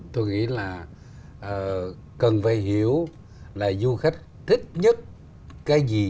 tôi nghĩ là cần phải hiểu là du khách thích nhất cái gì